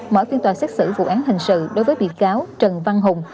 mở phiên tòa xét xử vụ án hình sự đối với bị cáo trần văn hùng